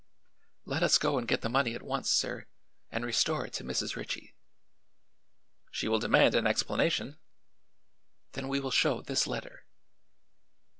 "Let us go and get the money at once, sir, and restore it to Mrs. Ritchie." "She will demand an explanation." "Then we will show this letter."